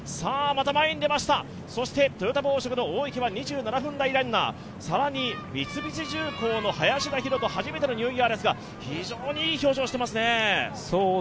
また前に出ました、トヨタ紡織の大池は２７分台ランナー更に三菱重工の林田洋翔初めてのニューイヤーですが、非常にいい表情をしていますね。